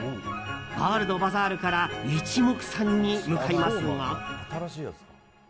ワールドバザールから一目散に向かいますが。